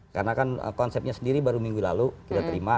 karena kan konsepnya sendiri baru minggu lalu kita terima